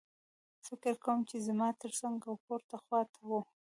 فکر کوم چې زما ترڅنګ او پورته خوا ته وو